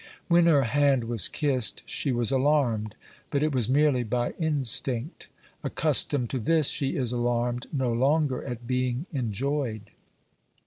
When her hand was kissed she was alarmed, but it was merely by instinct ; accustomed to this, she is alarmed no longer at being enjoyed.